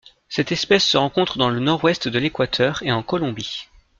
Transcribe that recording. Cette espèce se rencontre dans le nord-ouest de l'Équateur et en Colombie.